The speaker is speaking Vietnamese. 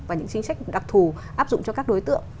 và những chính sách đặc thù áp dụng cho các đối tượng